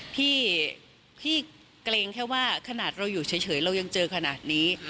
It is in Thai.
พี่เกรงแค่ว่าขนาดเราอยู่เฉยเรายังเจอขนาดนี้